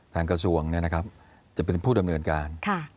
ทางกระทรวงเนี่ยนะครับจะเป็นผู้ดำเนินการ